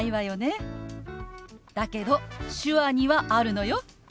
だけど手話にはあるのよ。